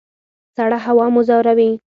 سړه هوا مو ځوروي؟